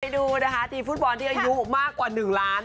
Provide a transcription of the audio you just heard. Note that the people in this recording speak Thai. ดูนะคะทีมฟุตบอลที่อายุมากกว่า๑ล้าน